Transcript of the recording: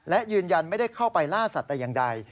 และยืนยันไม่ได้เข้าไปล่าสัตว์แต่อย่างใด